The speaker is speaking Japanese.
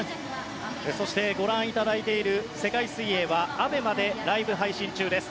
そしてご覧いただいている世界水泳はＡＢＥＭＡでライブ配信中です。